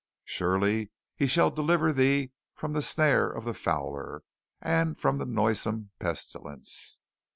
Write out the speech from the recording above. "Surely he shall deliver thee from the snare of the fowler, and from the noisome pestilence.